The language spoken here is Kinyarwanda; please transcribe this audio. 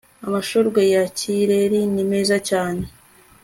amashurwe ya kireri ni meza cyane